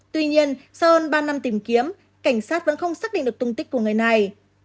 tuy nhiên sau hơn ba năm tìm kiếm cảnh sát vẫn không xác định được tung tích của người này